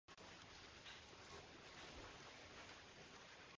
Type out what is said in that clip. Accounts of the war include a number of matters directly concerning Porsena.